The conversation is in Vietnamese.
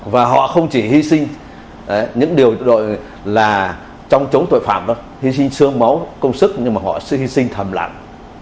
và họ không chỉ hy sinh những điều gọi là chống tội phạm đó hy sinh sương máu công sức nhưng mà họ hy sinh thầm lặng